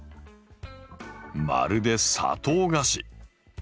まるで砂糖菓子。